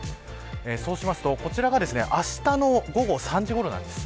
そうしますとこちらが、あしたの午後３時ごろなんです。